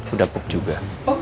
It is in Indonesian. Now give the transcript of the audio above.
udah pup juga